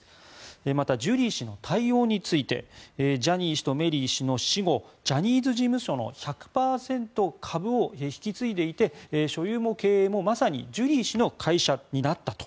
また、ジュリー氏の対応についてジャニー氏とメリー氏の死後ジャニーズ事務所の１００％株を引き継いでいて所有も経営もまさにジュリー氏の会社になったと。